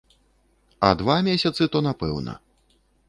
А два месяцы то напэўна.